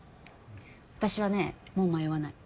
私はねもう迷わない。